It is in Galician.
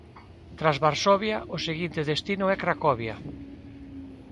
Tras Varsovia o seguinte destino é Cracovia.